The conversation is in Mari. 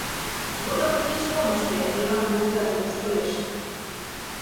Вот ынде кеч-мом ыште, — Йыван кугызаже воштылеш.